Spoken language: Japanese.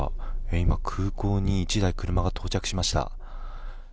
今、空港に１台車が到着しました。